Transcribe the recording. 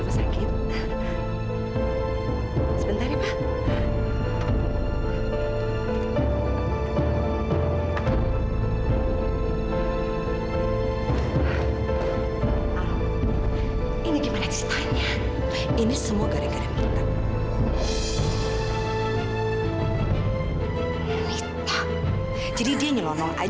kenyataan yang berbicara